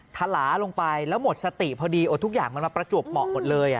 ถลาลงไปแล้วหมดสติพอดีทุกอย่างมันมาประจวบเหมาะหมดเลย